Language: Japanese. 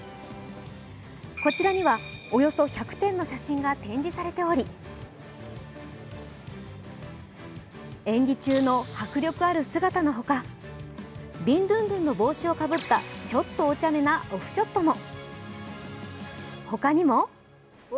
こちらには、およそ１００点の写真が展示されており演技中の迫力ある姿のほか、ビンドゥンドゥンの帽子をかぶった、ちょっとおちゃめなオフショットも。